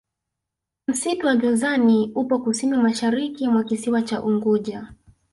msitu wa jozani upo kusini mashariki mwa kisiwa cha unguja